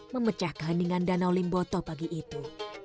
memecah keheningan danau limboto pagi itu